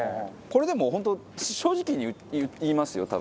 これでも本当正直に言いますよ多分。